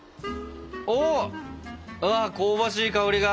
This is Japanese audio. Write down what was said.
おお！ああ香ばしい香りが！